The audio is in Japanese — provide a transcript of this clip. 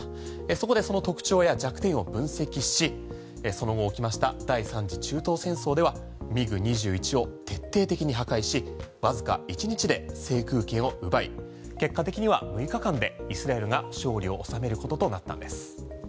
そこでその特徴や弱点を分析しその後、起きました第３次中東戦争ではＭｉＧ２１を徹底的に破壊しわずか１日で制空権を奪い結果的には６日間でイスラエルが勝利を収めることとなったんです。